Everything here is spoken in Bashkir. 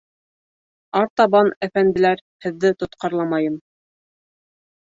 Артабан, әфәнделәр, һеҙҙе тотҡарламайым.